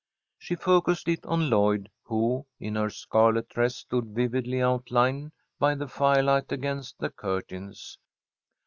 She focussed it on Lloyd, who, in her scarlet dress, stood vividly outlined by the firelight against the curtains.